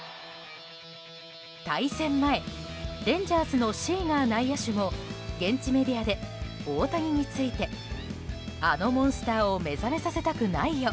対戦前、レンジャーズのシーガー内野手も現地メディアで大谷についてあのモンスターを目覚めさせたくないよ